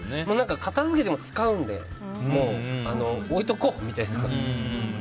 片づけても使うのでもう置いておこうみたいな。